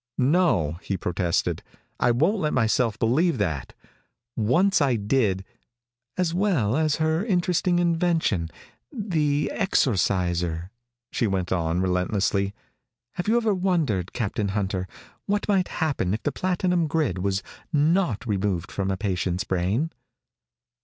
"No," he protested. "I won't let myself believe that. Once I did " "As well as her interesting invention the Exorciser," she went on relentlessly. "Have you ever wondered, Captain Hunter, what might happen if the platinum grid was not removed from a patient's brain?"